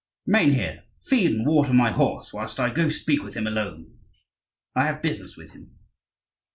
"Remain here, feed and water my horse, whilst I go speak with him alone. I have business with him."